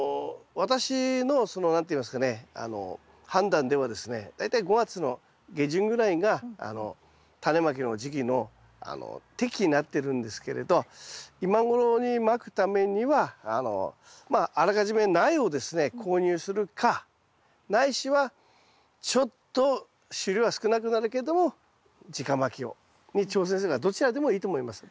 私のその何て言いますかね判断ではですね大体５月の下旬ぐらいがタネまきの時期の適期になってるんですけれど今頃にまくためにはまああらかじめ苗をですね購入するかないしはちょっと収量は少なくなるけども直まきに挑戦するかどちらでもいいと思います。